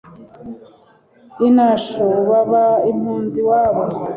i nasho, baba impuzi iwabo